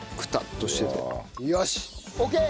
よしオッケー！